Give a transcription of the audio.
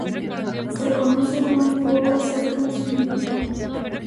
Se conoce muy poco acerca de su vida.